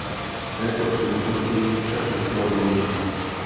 Této příležitosti však musíme využít!